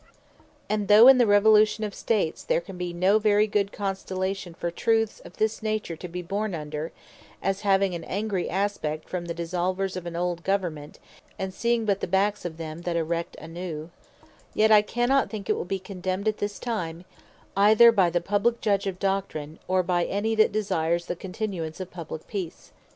And though in the revolution of States, there can be no very good Constellation for Truths of this nature to be born under, (as having an angry aspect from the dissolvers of an old Government, and seeing but the backs of them that erect a new;) yet I cannot think it will be condemned at this time, either by the Publique Judge of Doctrine, or by any that desires the continuance of Publique Peace.